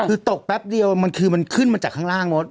คือตกแป๊บเดียวมันคือมันขึ้นมาจากข้างล่างมด